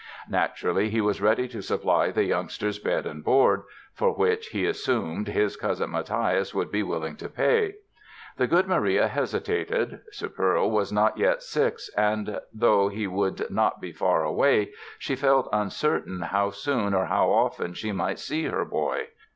Naturally, he was ready to supply the youngster's bed and board (for which, he assumed, his cousin Mathias would be willing to pay). The good Maria hesitated. "Sepperl" was not yet six and though he would not be far away she felt uncertain how soon or how often she might see her boy.